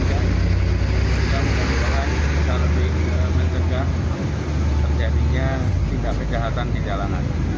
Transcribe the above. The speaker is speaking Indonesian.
dan kemudian kita lebih mencegah terjadinya tindak kejahatan di jalanan